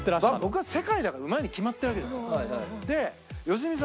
僕は世界だからうまいに決まってるわけですよ。